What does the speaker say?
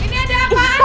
ini ada apaan ya